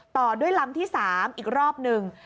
ต่อด้วยลำที่๓อีกรอบหนึ่ง